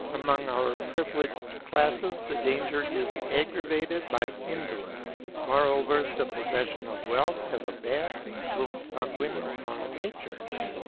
Among our privileged classes the danger is aggravated by indolence; moreover, the possession of wealth has a bad influence on women's moral nature.